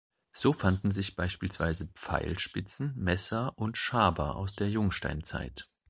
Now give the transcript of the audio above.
So fanden sich beispielsweise Pfeilspitzen, Messer und Schaber aus der Jungsteinzeit.